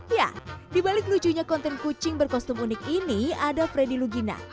ya di balik lucunya konten kucing berkostum unik ini ada freddy lugina